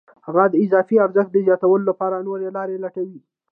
هغه د اضافي ارزښت د زیاتولو لپاره نورې لارې لټوي